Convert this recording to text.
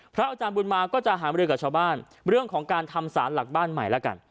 อาจารย์บุญมาก็จะหามรือกับชาวบ้านเรื่องของการทำสารหลักบ้านใหม่แล้วกัน